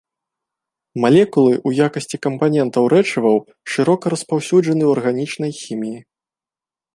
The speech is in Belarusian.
Малекулы ў якасці кампанентаў рэчываў шырока распаўсюджаны ў арганічнай хіміі.